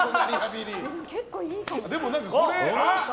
でも結構いいかも。